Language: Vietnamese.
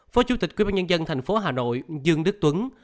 phó chủ tịch quyên bán nhân dân thành phố hà nội dương đức tuấn